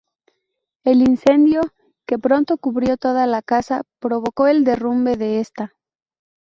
El incendio, que pronto cubrió toda la Casa, provocó el derrumbe de esta.